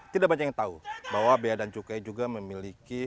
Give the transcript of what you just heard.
tidak banyak yang tahu bahwa bea dan cukai juga memiliki